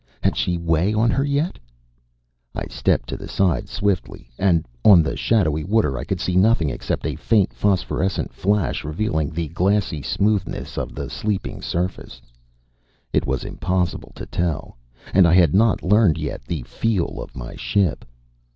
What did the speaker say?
Had she way on her yet? I stepped to the side swiftly, and on the shadowy water I could see nothing except a faint phosphorescent flash revealing the glassy smoothness of the sleeping surface. It was impossible to tell and I had not learned yet the feel of my ship.